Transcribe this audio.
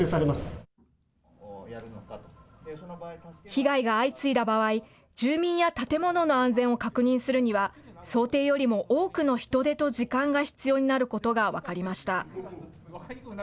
被害が相次いだ場合、住民や建物の安全を確認するには、想定よりも多くの人手と時間が必要になることが分かりました。